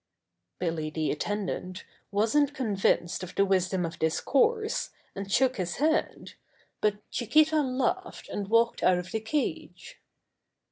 Billy, the attendant, wasn't convinced of the wisdom of this course, and shook his head, but Chiquita laughed and walked out of the cage.